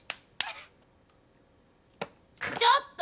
ちょっと！